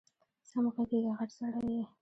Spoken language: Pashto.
سم غږېږه غټ سړی یې